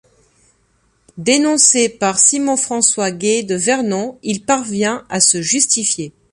Dénoncé par Simon François Gay de Vernon, il parvient à se justifier.